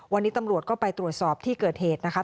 วันนี้ตำรวจก็ไปตรวจสอบที่เกิดเหตุนะคะ